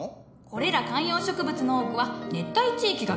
これら観葉植物の多くは熱帯地域が原産。